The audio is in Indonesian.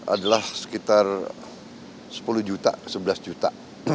adalah sekitar sepuluh juta sebelas juta